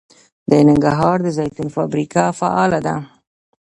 د ننګرهار د زیتون فابریکه فعاله ده.